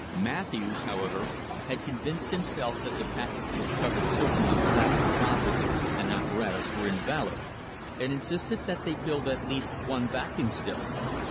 Matthews, however, had convinced himself that the patents which covered certain of the Vacuum processes and apparatus were invalid, and insisted that they build at THE BUFFALO CASE least one Vacuum still.